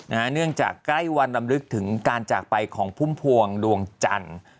เนื่องจากใกล้วันลำลึกถึงการจากไปของพุ่มพวงดวงจันทร์